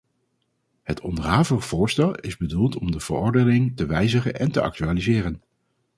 Het onderhavige voorstel is bedoeld om de verordening te wijzigen en te actualiseren.